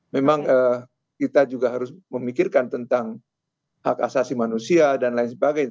memang kita juga harus memikirkan tentang hak asasi manusia dan lain sebagainya